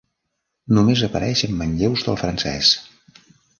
Només apareix en manlleus del francès.